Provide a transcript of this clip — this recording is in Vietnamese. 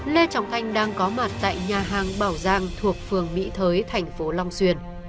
lê trọng thanh đang có mặt tại nhà hàng bảo giang thuộc phường mỹ thới thành phố long xuyên